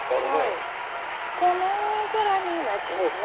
この大空にのやつですね。